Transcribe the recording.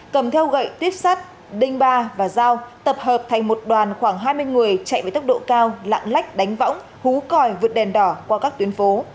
cầm theo gậy tuyếp sắt đinh ba và dao tập hợp thành một đoàn khoảng hai mươi người chạy với tốc độ cao lạng lách đánh võng hú còi vượt đèn đỏ qua các tuyến phố